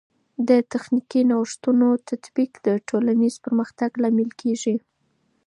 د تخنیکي نوښتونو تطبیق د ټولنیز پرمختګ لامل کیږي.